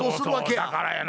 だからやな